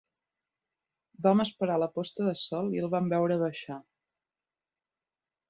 Vam esperar la posta de sol i el vam veure baixar.